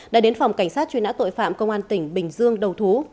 đã đến phòng cảnh sát truy nã tội phạm công an tỉnh bình dương đầu thú